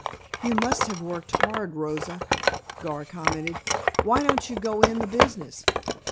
"You must have worked hard, Rosa," Gar commented. "Why don't you go in the business?